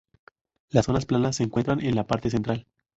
Las zonas planas se encuentran en la parte central.